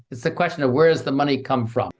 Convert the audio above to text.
itu pertanyaan dari mana harga itu datang